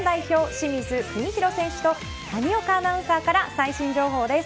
清水邦広選手と谷岡アナウンサーから最新情報です。